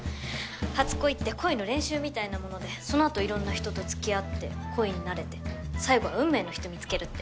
初恋って恋の練習みたいなものでそのあと色んな人とつきあって恋に慣れて最後は運命の人見つけるって！